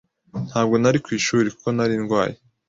Ntabwo nari ku ishuri, kuko nari ndwaye.